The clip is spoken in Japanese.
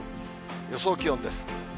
予想気温です。